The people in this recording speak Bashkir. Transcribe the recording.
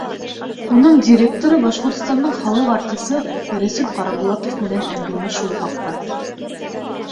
Уның директоры Башҡортостандың халыҡ артисы Рәсүл ҠАРАБУЛАТОВ менән әңгәмә шул хаҡта.